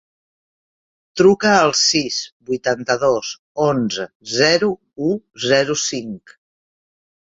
Truca al sis, vuitanta-dos, onze, zero, u, zero, cinc.